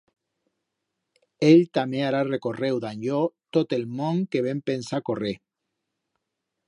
Ell tamé hará recorreu dan yo tot el mond que vem pensar correr.